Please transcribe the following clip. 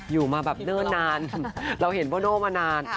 อยู่มาแบบเนิ่นนานเราเห็นโบโน่มานาน